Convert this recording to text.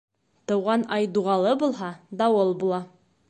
Тыуған ай дуғалы булһа, дауыл була.